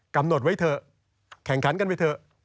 กำหนดไว้เถอะแข่งขันกันไปเถอะ